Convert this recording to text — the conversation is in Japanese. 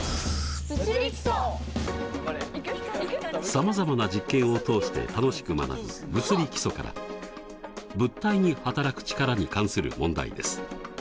さまざまな実験を通して楽しく学ぶ「物理基礎」から物体にはたらく力に関する問題です。